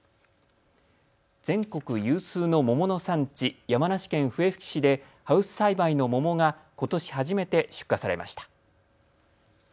全国有数の桃の産地、山梨県笛吹市でハウス栽培の桃がことし初めて出荷されました。